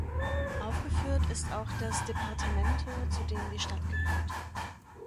Aufgeführt ist auch das Departamento, zu dem die Stadt gehört.